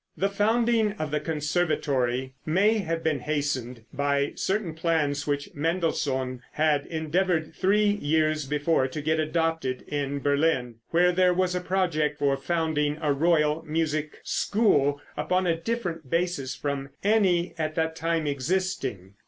The founding of the conservatory may have been hastened by certain plans which Mendelssohn had endeavored three years before to get adopted in Berlin, where there was a project for founding a royal music school upon a different basis from any at that time existing.